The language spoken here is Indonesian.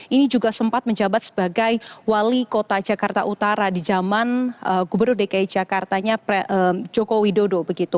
ini juga sempat menjabat sebagai wali kota jakarta utara di zaman gubernur dki jakartanya joko widodo